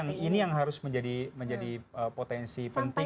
nah ini yang harus menjadi potensi penting